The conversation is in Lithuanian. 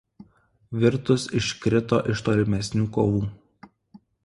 Virtus iškrito iš tolimesnių kovų.